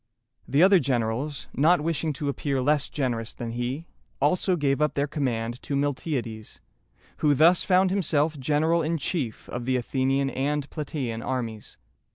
] The other generals, not wishing to appear less generous than he, also gave up their command to Miltiades, who thus found himself general in chief of the Athenian and Platæan armies.